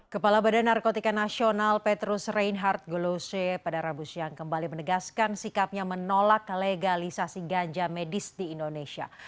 kepala badan narkotika nasional petrus reinhardt golose pada rabu siang kembali menegaskan sikapnya menolak legalisasi ganja medis di indonesia